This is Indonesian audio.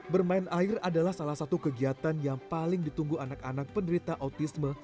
bermain air adalah salah satu kegiatan yang paling ditunggu anak anak penderita autisme